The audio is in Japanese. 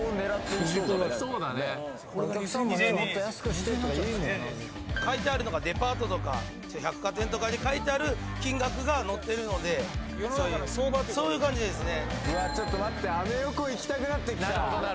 ２０００円になっちゃうんすか書いてあるのがデパートとか百貨店とかに書いてある金額が載ってるのでそういう感じですね